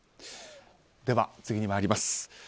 では、次に参ります。